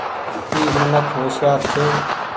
اي منک هوشيآر ڇي۔